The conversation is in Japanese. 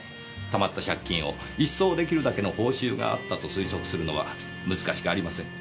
たまった借金を一掃出来るだけの報酬があったと推測するのは難しくありません。